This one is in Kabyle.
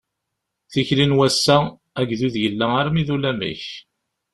Tikli n wassa, agdud yella armi d ulamek!